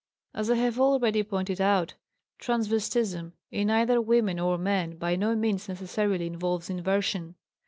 As I have already pointed out, transvestism in either women or men by no means necessarily involves inversion.